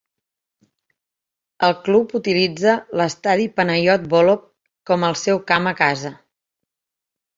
El Club utilitza l'estadi Panayot Volov com el seu camp a casa.